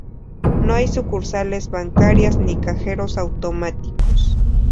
No hay sucursales bancarias ni cajeros automáticos.